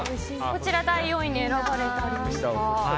こちら第４位に選ばれた理由は？